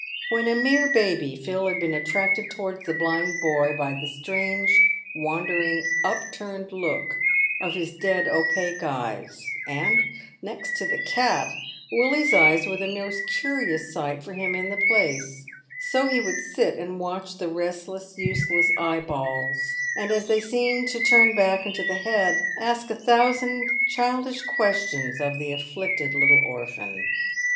When a mere baby, Phil had been attracted towards the blind boy by the strange, wandering, upturned look of his dead opaque eyes, and next to the cat, Willie's eyes were the most curious sight for him in the place ; so he would sit and watch the restless, useless eyeballs, and as they seemed to turn back into the head, ask a thousand childish questions of the afflicted little orphan.